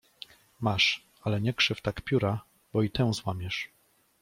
— Masz, ale nie krzyw tak pióra, bo i tę złamiesz.